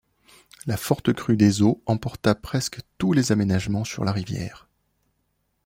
La forte crue des eaux emporta presque tous les aménagements sur la rivière.